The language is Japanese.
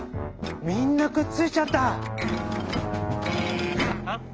みんなくっついちゃった！ハハ」。